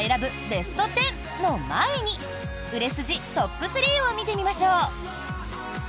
ベスト１０の前に売れ筋トップ３を見てみましょう。